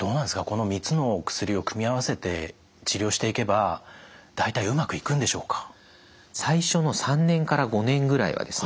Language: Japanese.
この３つの薬を組み合わせて治療していけば大体うまくいくんでしょうか？